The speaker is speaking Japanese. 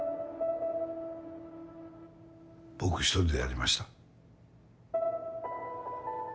僕一人でやりました。